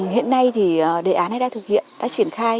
hiện nay thì đề án này đã thực hiện đã triển khai